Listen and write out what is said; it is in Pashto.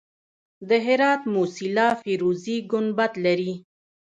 د هرات موسیلا فیروزي ګنبد لري